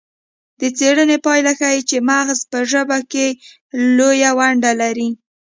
د څیړنې پایله ښيي چې مغزه په ژبه کې لویه ونډه لري